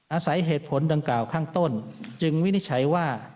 อาศัยเหตุผลดังกล่าวข้างต้นจึงวินิจฉัยว่า